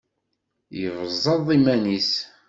Yebẓeḍ iman-is.